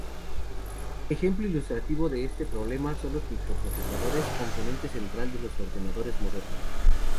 Ejemplo ilustrativo de este problema son los microprocesadores, componente central de los ordenadores modernos.